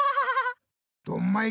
ドンマイ！